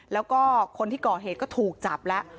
แล้วก็คนที่ก่อเหตุก็ถูกจับแล้ว